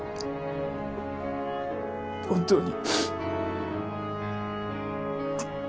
本当に。